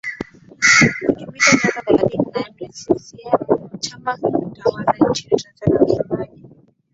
kutimiza miaka thelathini na nne ya ccm chama tawala nchini tanzania unasemaje